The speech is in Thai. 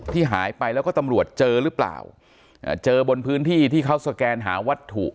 ที่หายไปแล้วก็ตำรวจเจอหรือเปล่าอ่าเจอบนพื้นที่ที่เขาสแกนหาวัตถุ